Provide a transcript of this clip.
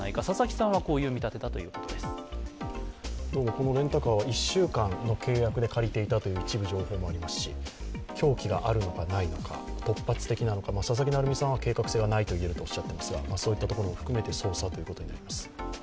このレンタカーは１週間の予定で借りていた一部情報もありますし、凶器があるのかないのか、突発的なのか、佐々木成三さんは計画性がないとおっしゃっていますが、そういうことも含めて捜査が進んでいます。